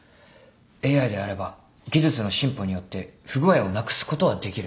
ＡＩであれば技術の進歩によって不具合をなくすことはできる。